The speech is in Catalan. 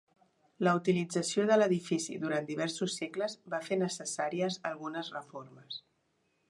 La utilització de l'edifici durant diversos segles va fer necessàries algunes reformes.